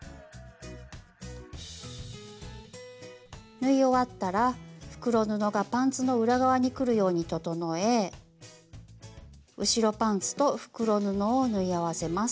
縫い終わったら袋布がパンツの裏側にくるように整え後ろパンツと袋布を縫い合わせます。